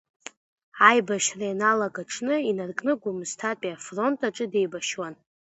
Аибашьра ианалага аҽны инаркны Гәымсҭатәи афронт аҿы деибашьуан.